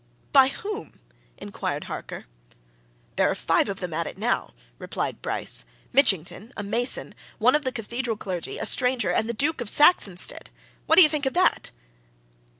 "By whom?" inquired Harker. "There are five of them at it, now," replied Bryce. "Mitchington, a mason, one of the cathedral clergy, a stranger, and the Duke of Saxonsteade! What do you think of that?"